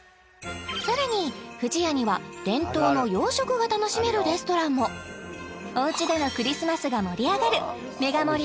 さらに不二家には伝統の洋食が楽しめるレストランもおうちでのクリスマスが盛り上がるメガ盛り